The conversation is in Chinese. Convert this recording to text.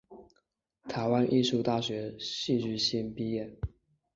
台湾艺术大学戏剧系毕业。